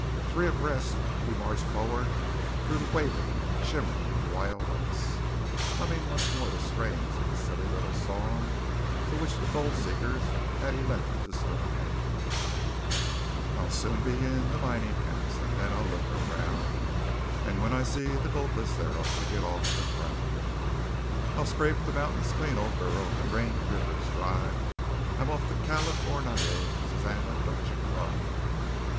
Three abreast we marched forward through the waving, shimmering wild oats, humming once more the strains of the silly little song to which the gold seekers had elected to stride: "I soon shall be in mining camps, And then I'll look around, And when I see the gold dust there, I'll pick it off the ground. "I'll scrape the mountains clean, old girl, I'll drain the rivers dry; I'm off for California. Susannah, don't you cry!"